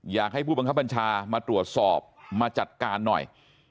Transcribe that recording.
อยากให้ผู้บังคับบัญชามาตรวจสอบมาจัดการหน่อย